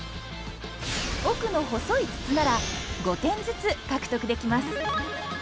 奥の細い筒なら５点ずつ獲得できます。